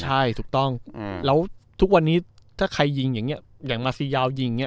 ใช่ถูกต้องแล้วทุกวันนี้ถ้าใครยิงอย่างนี้อย่างมาซียาวยิงเนี่ย